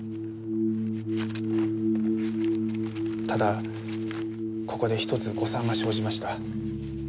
ただここで１つ誤算が生じました。